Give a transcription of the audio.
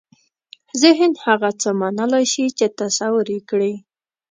ذهن هغه څه منلای شي چې تصور یې کړي.